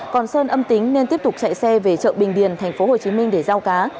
còn sơn âm tính nên tiếp tục chạy xe về chợ bình điền tp hcm để giao cá